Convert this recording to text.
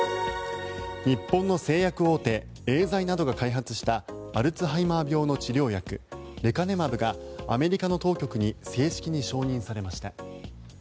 日本の製薬大手エーザイなどが開発したアルツハイマー病の治療薬レカネマブがアメリカの当局に正式に承認されました。